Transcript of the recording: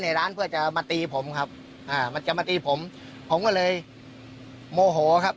ร้านเพื่อจะมาตีผมครับอ่ามันจะมาตีผมผมก็เลยโมโหครับ